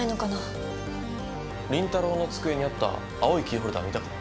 倫太郎の机にあった青いキーホルダー見たか？